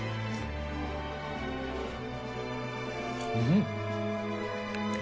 うん。